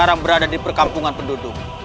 yang berada di perkampungan penduduk